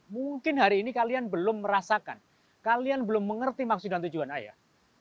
mungkin hari ini kalian belum merasakan kalian belum mengerti maksud dan tujuan ayah